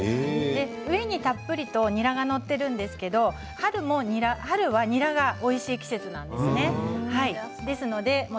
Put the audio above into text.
上にたっぷりと、ニラが載っているんですけれど春はニラがおいしい季節なんですね。